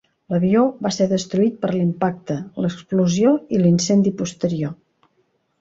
L'avió va ser destruït per l'impacte, l'explosió i l'incendi posterior.